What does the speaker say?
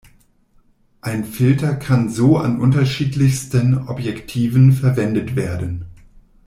Ein Filter kann so an unterschiedlichsten Objektiven verwendet werden.